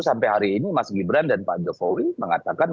sampai hari ini mas gibran dan pak jokowi mengatakan